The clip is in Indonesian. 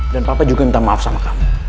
dan papa juga minta maaf sama kamu